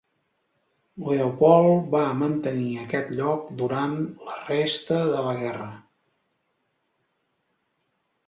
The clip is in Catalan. Leopold va mantenir aquest lloc durant la resta de la guerra.